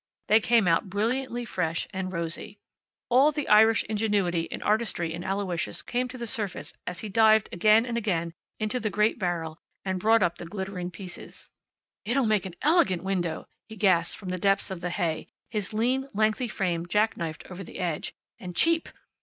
They came out brilliantly fresh and rosy. All the Irish ingenuity and artistry in Aloysius came to the surface as he dived again and again into the great barrel and brought up the glittering pieces. "It'll make an elegant window," he gasped from the depths of the hay, his lean, lengthy frame jack knifed over the edge. "And cheap."